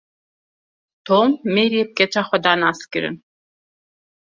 Tom, Maryê bi keça xwe da naskiririn.